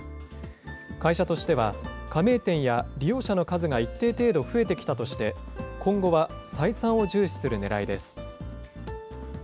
会社としては、加盟店や利用者の数が一定程度増えてきたとして、今後は採算を重視するねらいです。